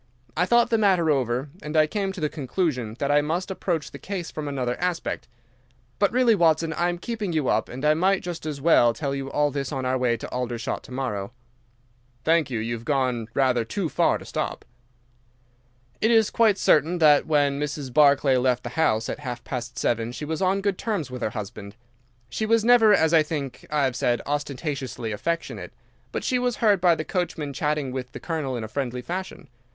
I thought the matter over, and I came to the conclusion that I must approach the case from another aspect. But really, Watson, I am keeping you up, and I might just as well tell you all this on our way to Aldershot to morrow." "Thank you, you have gone rather too far to stop." "It is quite certain that when Mrs. Barclay left the house at half past seven she was on good terms with her husband. She was never, as I think I have said, ostentatiously affectionate, but she was heard by the coachman chatting with the Colonel in a friendly fashion.